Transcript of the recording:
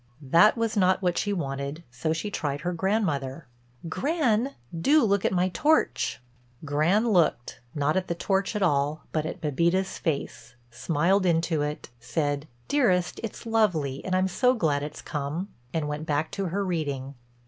That was not what she wanted so she tried her grandmother: "Gran, do look at my torch." Gran looked, not at the torch at all but at Bébita's face, smiled into it, said, "Dearest, it's lovely and I'm so glad it's come," and went back to her reading.